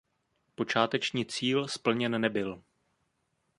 Počáteční cíl splněn nebyl.